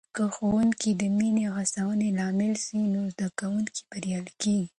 که ښوونکې د مینې او هڅونې لامل سي، نو زده کوونکي بریالي کېږي.